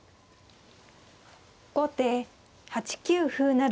後手８九歩成。